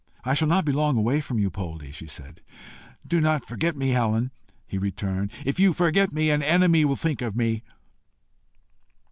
"I shall not be long away from you, Poldie," she said. "Do not forget me, Helen," he returned. "If you forget me, an enemy will think of me."